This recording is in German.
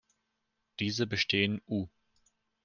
Diese bestehen „u.